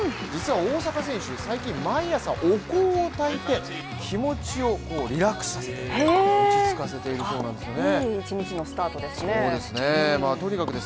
実は大坂選手、最近毎朝お香を焚いて気持ちをリラックスさせているそうです。